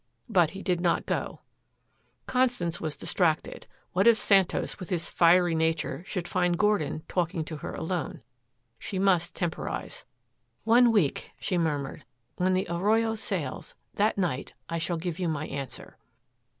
But he did not go. Constance was distracted, what if Santos with his fiery nature should find Gordon talking to her alone? She must temporize. "One week," she murmured. "When the Arroyo sails that night I shall give you my answer."